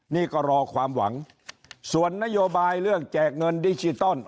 นี่ก็รอความหวังส่วนนโยบายเรื่องแจกเงินดิจิตอล